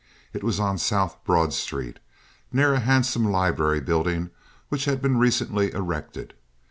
It was on South Broad Street, near a handsome library building which had been recently erected.